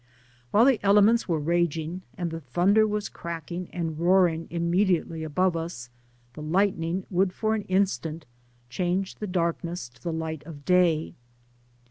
While the elements were Digitized byGoogk 2d2 THB FAMPilS. raging, and the thunder was cracking and roaring immediately above us, the lightning would for an instant change the darkness to the light of day.